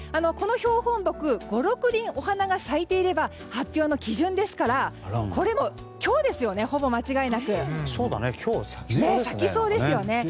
この標本木、５６輪お花が咲いていれば発表の基準ですからこれはほぼ間違いなく今日ですね